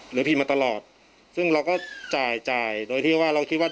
พิมพ์มาตลอดซึ่งเราก็จ่ายจ่ายโดยที่ว่าเราคิดว่า